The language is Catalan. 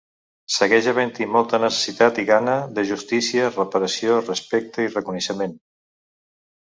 Segueix havent molta necessitat i gana de justícia, reparació, respecte i reconeixement.